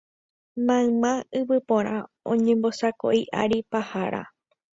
mayma yvypóra oñembosako'i ary paharã